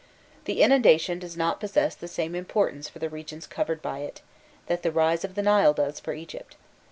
The inundation does not possess the same importance for the regions covered by it, that the rise of the Nile does for Egypt.